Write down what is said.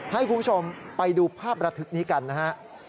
ให้คุณผู้ชมไปดูภาพระทึกนี้กันนะฮะ